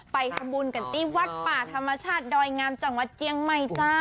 ไปทำบุญกันที่วัดป่าธรรมชาติดอยงามจังหวัดเจียงใหม่จ้า